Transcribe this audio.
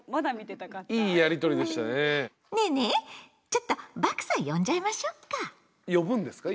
ちょっとバクさん呼んじゃいましょうか？